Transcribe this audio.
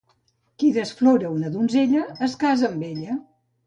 Qui desflora una donzella es casa amb ella.